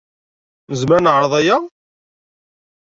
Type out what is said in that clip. Nezmer ad neɛreḍ aya?